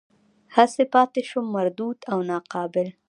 هسې پاتې شوم مردود او ناقابل.